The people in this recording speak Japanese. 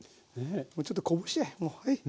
もうちょっとこぼしちゃえもう。